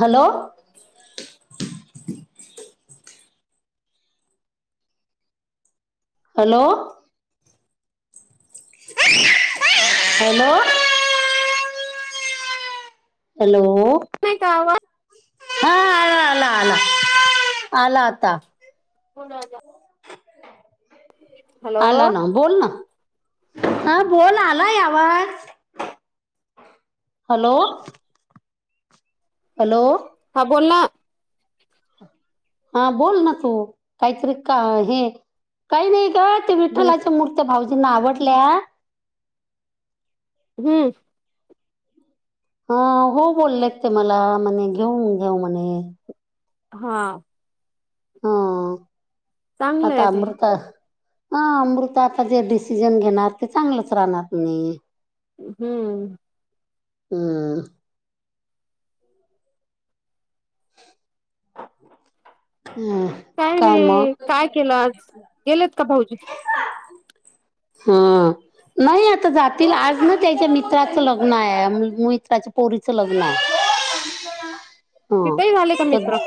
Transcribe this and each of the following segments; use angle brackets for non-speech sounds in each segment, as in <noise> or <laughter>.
Hello hello hello hello नाही का आवा हा आला आला आला आला आता बोला आता हॅलो आला ना बोल ना ह बोल आलाय आवाज हॅलो हॅलो हां बोल ना हा बोल ना तू काहीतरी का हे काही नाही ग ते हम्म विठ्ठलाच्या मूर भाऊजींना आवडल्या हम्म हा हो बोललेत ते मला म्हणे घेऊ घेऊ म्हणे हा हा चांगलं आता आहे ते अमृता हा अमृता आता जे डिसिजन घेणार ते चांगलंच राहणार कीनई हम्म हम्म हम्म काय नाही काय केलं आज गेलेत का भाऊजी. हां नाही आता जातील आज ना त्याच्या मित्राचं लग्न आहे मित्राच्या पोरीचं लग्न आहे. ह तिथेही झाले का तर मित्र?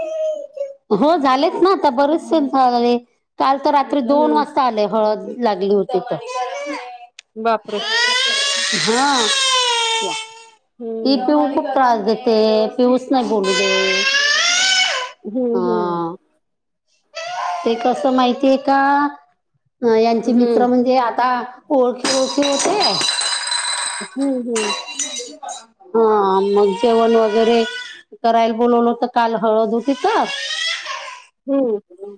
हो झालेच ना आता बरेच झाले काल तर रात्री दोन हम्म वाजता आले हळदला गेलो हो ते तर बापरे! हा ती हम्म पिहू खूप त्रास देते. पिऊस नाय बेलू देत. हम्म हम्म. ते कसं माहितीय का यांचे हम्म मित्र म्हणजे आता ओळखी ओळखी होतेय हम्म हम्म. हा मग जेवण वगैरे करायला बोलवलं होत काल हळद होती तर हम्म हम्म.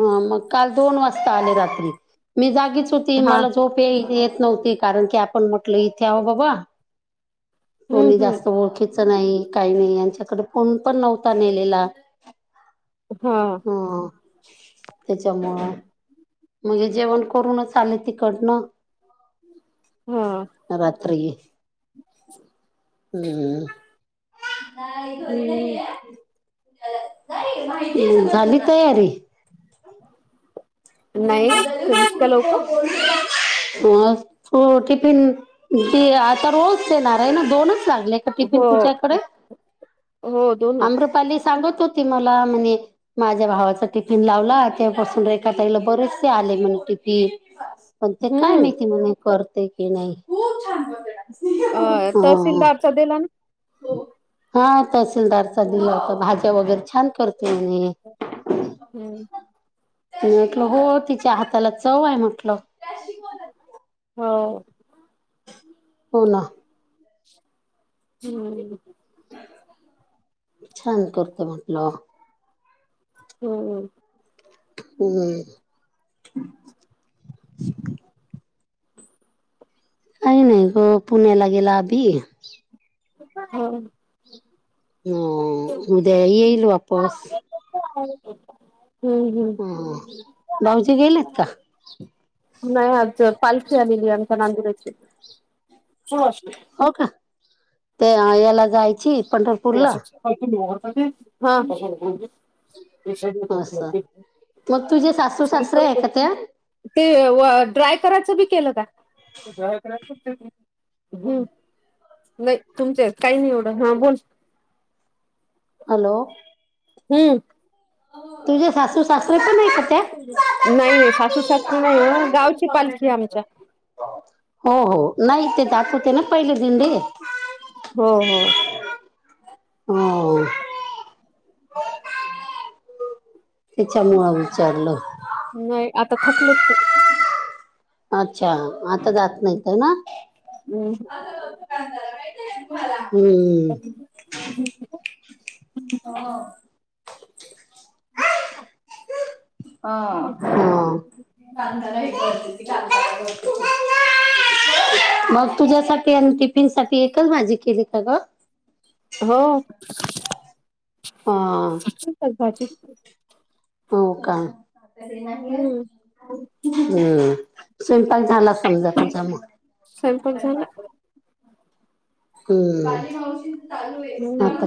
हा मग काल दोन वास्ता आले रात्री मी जागीच होती हा मला झोप पे ही येत नव्हती कारण की आपण म्हटल इथे आहो बाबा हम्म कोणी हम्म जास्त ओळखीच नाही काही नाही यांच्याकडे फोन पण नव्हता नेलेला हा. हा त्याच्यामुळं म्हणजे जेवण करूनच आले तिकडनं हा रात्री हम्म. हम्म. हम्म झाली तयारी? <unintelligible> नाही कधी इतक्या लवकर हा तो टिफिन ते आता रोज येणार आहे ना दोनच लागले हो टिफिन तुझ्याकडे हो दोनच आम्रपाली सांगत हो ती मला म्हणे माझ्या भावाचा टिफिन लावला तेव्हापासून आता हिला बरेचसे आले म्हणे टिफिन पण ते काय हम्म माहिती म्हणे करते की नाही अ हा. तहसीलदारचा दिला ना हा तहसीलदारचा दिला होता भाज्या वगैरे छान करते म्हणे. हम्म. मी म्हटलं हो तिच्या हाताला चव आहे म्हटलं. हाव हो ना. हम्म. छान करतो म्हटलं. हम्म. हम्म. काय नाय हो पुण्यालागेला अभी हो. हो उद्या येईल वापस. हम्म. हम्म हा भाऊजी गेलेत का? नाही आज पालखी आलेली आमच्या नांदोड्याची. हो का ते आयाला जायची पंढरपूरला हा. असं मग तुझे सासू सासरे आहे का त्या <unintelligible> ते व ड्राय करायचं बी केलं का? हम्म. नाही तुमचे आहेत काही नाही एवढं हा बोल. हॅलो. हम्म. तुझ्या सासू सासरे पण आहे का त्या नाही नाही सासू सासरी नाही हो गावची पालखी आमच्या. <inaudible> हो हो नाही ते दाखवते ना पहिली दिंडे. हो, हो. हो, हो. तिच्यामुळं विचारलं. नाही आता थकलेत ते. अच्छा आता जात नाही त्यांना? हम्म, हम्म. हा <inaudible> मग तुझ्यासाठी आणि टिफिनसाठी एकच माझी केली का ग? हो हा. आणि भाजी हो का? हम्म हम्म, स्वयंपाक झाला समजा तुझा मग. स्वयंपाक झाला? हम्म. हम्म आता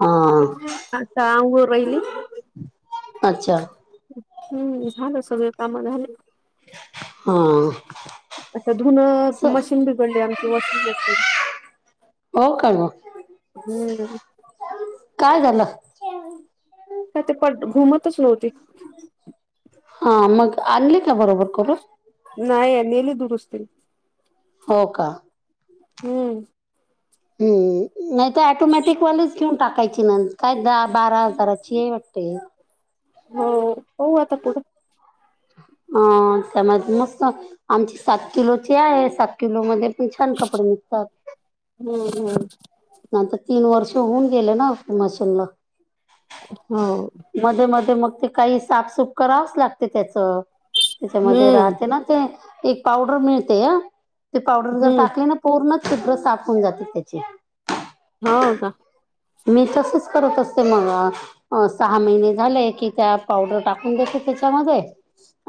हा, आता आंघोळ राहिली. अच्छा. हम्म. झालं सगळे काम झाले. हा. आता धुनं मशीन बिघडलीये आमची वॉशिंग मशीन. हो काय मग? हम्म. काय झाल? काय ते पट घुमतच नव्हती. हां मग आणलीत ना बरोबर करून? नाही नेली दुरुस्तीला. हो का? हम्म. हम्म. नाही तर ॲटोमॅटिकवालीच वीकुन टाकायची ना काय दहा बारा हजाराची हायं वाटत हे. हो. पाहु आता पुढं. हा त्यामध्ये नसतात. आमची सात किलोची आहे. सात किलोमध्ये पण छान कपडे निघतात. हम्म, हम्म. नाही आता तीन वर्ष होऊन गेले ना मशीनला. हो. मध्ये मध्ये मग ते काही साफसूफ करावंच लागते त्याच. त्याच्यामध्ये हम्म राहते ना ते, एक पावडर मिळते हं ते पावडर जर हम्म टाकली ना पूर्ण चित्र साफ होऊन जाते त्याचे. होव का? मी तसंच करत असते मग. अ सहा महिने झाले की काय पावडर टाकून देते त्याच्यामध्ये.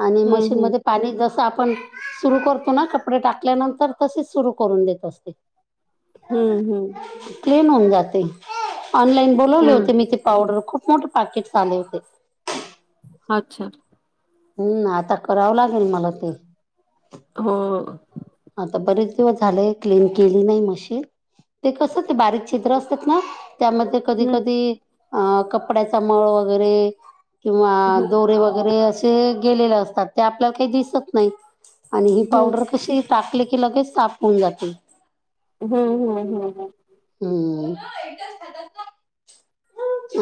आणि हम्म हम्म मशीनमध्ये पाणी जसं आपण सुरू करतो ना कपडे टाकल्यानंतर तसेच सुरू करून देत असते. हम्म, हम्म. क्लीन होऊन जाते. ऑनलाईन बोलावले हम्म होते मी ते पावडर खूप मोठे पॅकेटस आले होते. अच्छा. हम्म आता करावं लागन मला ते. हो आता बरेच दिवस झालय, क्लीन केली नाही मशीन. ते कसं ते बारीक छिद्र असतात ना, त्यामध्ये कधी हम्म कधी अं कपड्याचा मळ वगैरे किंवा हम्म दोरे वगैरे अस ते गेलेले असतात, ते आपल्याला काही दिसत नाही आणि ही पावडर हम्म कशी टाकले की लगेच साफ होऊन जाते. हंम्म हंम्म हंम्म. हम्म.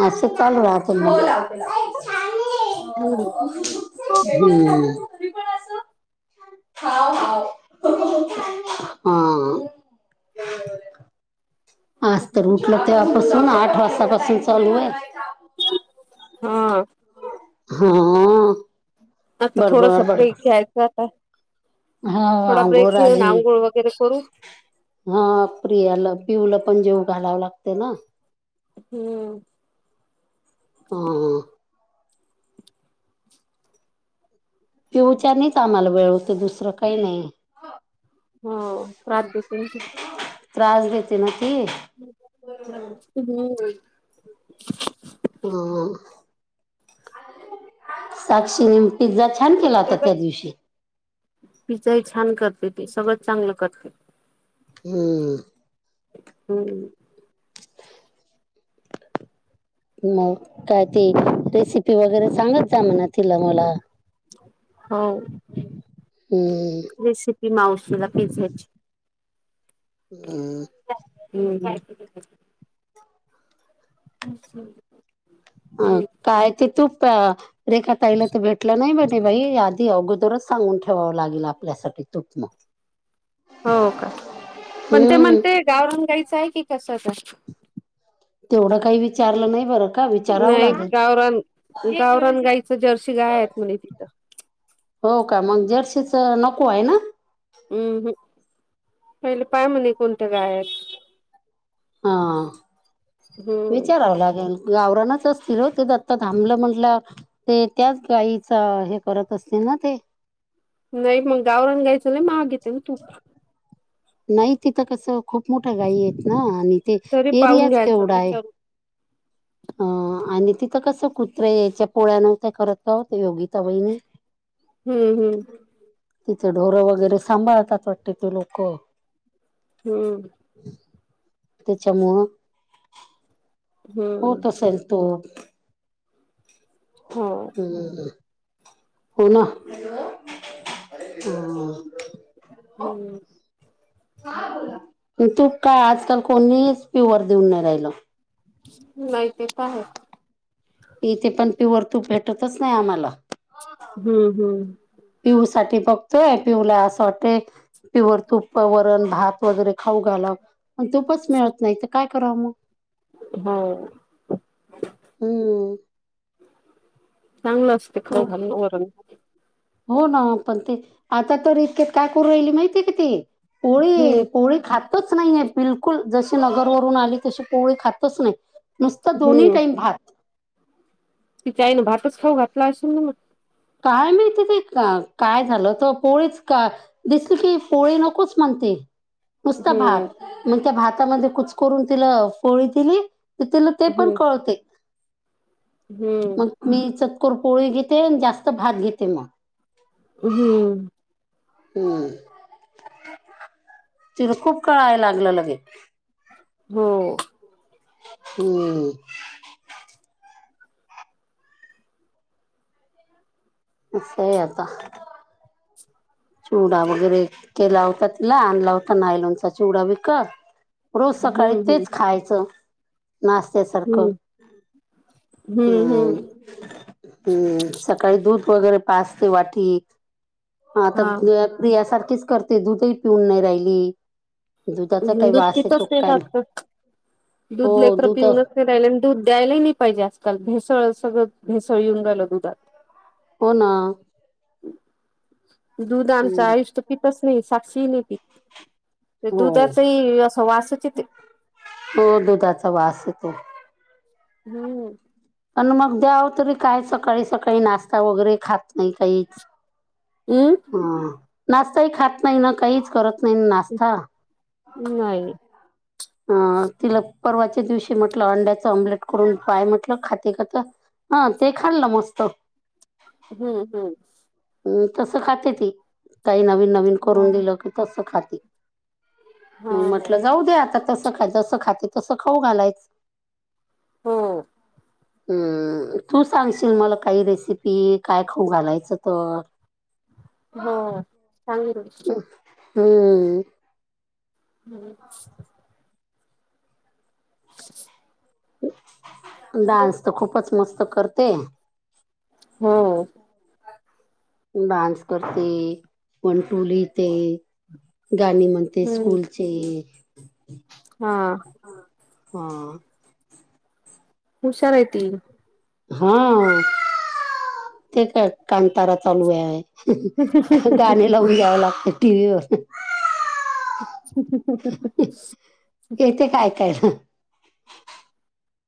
असचं चालू राहते म हो लावते लावते आई छान ए हम्म अ हं हं. हम्म <unintelligible> मी पण आस. हाव हाव हं हं ह हा. आज तर उठलतं तेव्हापासून आठ वाजतापासून चालू आहे. हा. हा आ. आता थोडासा ब्रेक घ्यायचा आता. हा थोडा आंघोळ ब्रेक घेऊन आली आंगोळ वगैरे करू. हा प्रियाला पिहूला पण जेवू घालावं लागते ना. हम्म. आ. पिहूच्यानीचं आम्हाला वेळ होतो दुसरं काही नाही. हो प्रात देते ना खूप. त्रास देते ना ती. <unintelligible> हम्म हम्म. हा हा साक्षी नी पिझ्झा छान केला होता त्या दिवशी. पिज्जाई छान करते ती सगळंच चांगलं करते. हंम्म. हम्म. <inaudible> मग काय ते रेसिपी वगैरे सांगत जा म्हणा तिला मला. होव हम्म रेसिपी मावशीला पिझ्झ्याची. अं. हम्म. असं अ हम्म. काय ते तूप अ रेखा ताईला तर भेटलं नाही म्हणे बाई आधी अगोदरच सांगून ठेवावं लागेल आपल्यासाठी तुप मग. हो का पण ते हम्म म्हणते गावरान गाईचं आहे की कशाचयं. तेवढं काही विचारलं नाही बरं. का विचारावं नाही लागेल गावरान गावरान गाईचं जर्शी गाया आहेत, म्हणे तिथं. हो का मगं जर्सीच नको आहे ना. अंम्म हंम्म पहिले पाय म्हणे कोणत्या गाय आहेत. आ. हम्म विचाराव लागन गावरानाच असतील हो ते आत्ता थांबलं म्हंटलं. ते त्याच गायीचा हे करत असतील ना ते. नाही मगं गावरान गाईचं लय माहाग येते ग तूप नाही तिथं कसं खूप मोठ्या गाई आहेत ना आणि ते तरी पाहून एरियाच घ्यायचं केवढा आहे विचारून. <inaudible> अं आणि तिथं कसं कुत्र यायच पोळ्या नव्हत्या करत त योगिता वहिणी. हंम्म हंम्म तिथे ढोरं वगैरे सांभाळतात वाट ती लोक. हम्म. त्याच्यामोह हम्म. होत असेल तो. हो. <unintelligible> हो ना. हॅलो. हा. हम्म. तू काय आजकाल कोणीच प्युअर देऊन नाही राहिल. नाही ते तर आहे. इथे पण प्युअर तूप भेटतच नाही आम्हाला. हम्म, हम्म. पिऊसाठी बघतोय. पिऊला असं वाटतयं प्युअर तुप, वरण, भात वगैरे खाऊ घालाव. पण तूपच मिळत नाही इथं काय कराव मग? होय. हम्म चांगलं अस ते खाऊ तूप घाले वरण. हो ना, पण ते आता तर इतक्यात काय करू राहिली माहितीय का ती? हम्म पोळी, पोळी खात तच नाहीय बिलकुल जशी नगरवररून आली तशी पोळी खातच नाही. नुसतां दोन्ही हम्म टाईम भात. तिच्या आईन भातच खाऊ घातला असेल ना मग. काय माहित तेे का-काय झालं होतं पोळीच खा दिसली की पोळी नकोच म्हणती. नुसता हम्म भात, मग त्या भातामध्ये कुचकरून तिला पोळी दिली. तिला ते पण हम्म कळते. हम्म. मग मी चतकोर पोळी घेते आणि जास्त भात घेते मग. हम्म. हम्म, तिला खूप कळाय लागलं लगे. हो. हम्म. असं हाय आता. चिवडा वगैरे केला होता तिला, आणला होता नायलोनचा चिवडा विकत. रोज सकाळी हम्म हम्म तेच खायाचं. नाचते सारखं हम्म हा. हम्म हम्म हम्म, सकाळी दूध वगैरे पाजते वाटीत. मग आता हा प्रियासारखीच करते दुधही पिऊन नाही राहिली. दुधाचा काही दूध वास पितोच येतो ते काय सारखं, हो दूध लई खर दुध पिऊनच हो <unintelligible> दूध द्यायलाही नाही पाहिजे आजकाल भेसळ सगळं भेसळ येऊन राहिलं दुधात. हो ना. दूध आमचं हम्म. आयुष्य तर पितच नाही, साक्षीही नाही पित. ते हो दूध ते असं वासच येते. हो दुधाचा वास येतो. हम्म. पण मग द्याव तरी काय सकाळी सकाळी नाश्ता वगैरे खात नाही काहीच. हमं. ह नाश्ताही खात नाही ना काहीच करत नाही नाश्ता. नाही. अं तिला परवाच्या दिवशी म्हटलं अंड्याच आमलेट करून पाय म्हटलं खाते का तर. हा ते खाल्लं मस्त. हम्म हम्म. अम्म तस खाते ती काही नवीन नवीन हा करून दिलं की तस खाते. मग हा म्हटलं जाऊ दे आता तस खा जसं खाते तसं खाऊ घालायच. हो हम्म तू सांगशील मला काही रेसिपी काय खाऊ घालायचं तर. हो सांगलीकडं. हम्म. हम्म. डान्स तर खूपचं मस्त करते. हो. डान्स करते, वन टू लिहिते, गाणी म्हण ते हम्म स्कूलचे. हा. हा. हुशार आहे ती. हा ते काय कांतारा चालू आहे. क गाणे लावून घ्यावं लागते टी व्ही वर अ हं. अ हं हं हं. येते काय काय हं.